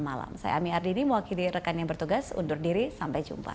malam saya ami ardini mewakili rekan yang bertugas undur diri sampai jumpa